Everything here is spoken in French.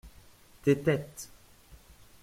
Tes têtes.